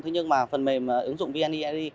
thế nhưng mà phần mềm ứng dụng vneid